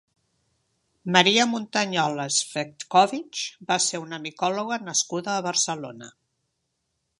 Maria Muntañola Cvetković va ser una micòloga nascuda a Barcelona.